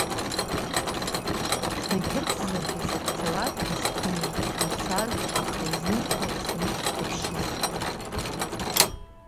Снаиԥырҵзаргьы, сахьцалак дысхыми, ицаз, аха изымцо сымш даԥшьыз.